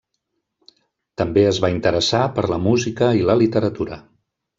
També es va interessar per la música i la literatura.